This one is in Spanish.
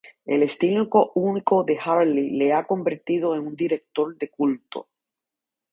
El estilo único de Hartley le ha convertido en un director de culto.